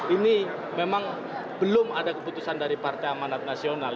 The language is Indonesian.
ini memang belum ada keputusan dari partai amanat nasional